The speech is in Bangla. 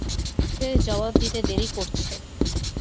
সে জবাব দিতে দেরি করছে।